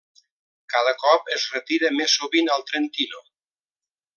Cada cop es retira més sovint al Trentino.